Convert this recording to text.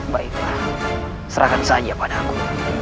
baiklah serahkan saja pada aku